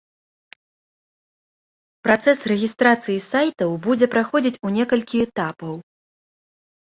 Працэс рэгістрацыі сайтаў будзе праходзіць у некалькі этапаў.